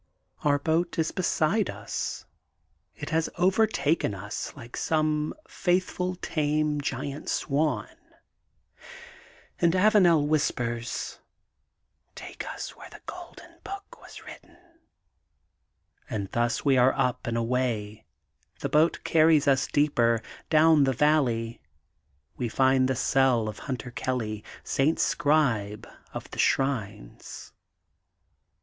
Our boat is beside us, it has overtaken 838 THE GOLDEN BOOK OF SPRINGFIELD US like some faithful tame giant swan, and Avanel whispers : Take us where The Golden Book was written. '' And thus we are up and away. The boat carries us deeper, down the valley. We find the cell of Hunter Kelly, — St. Scribe of the Shrines.